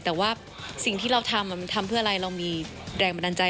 แต่ว่าสิ่งที่เราทำมันทำเพื่ออะไรเรามีแรงบันดาลใจ